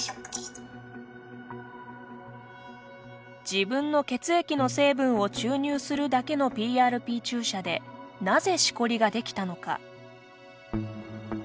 自分の血液の成分を注入するだけのＰＲＰ注射でなぜしこりができたのか。